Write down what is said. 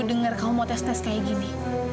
dengar kamu mau tes tes kayak gini